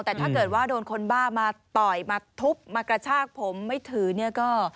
แต่ถ้าเกิดว่าโดนคนบ้ามาต่อยมาทุบมากระชากผมไม่ถือเนี่ยก็